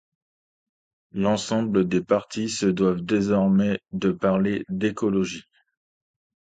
L'ensemble des partis se doivent désormais de parler d'écologie.